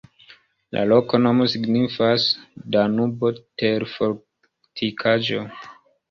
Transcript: La loknomo signifas: Danubo-terfortikaĵo.